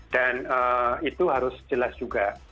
dan itu harus jelas juga